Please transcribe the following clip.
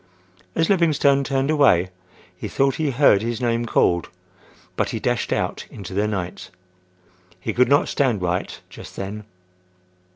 As Livingstone turned away, he thought he heard his name called, but he dashed out into the night. He could not stand Wright just then.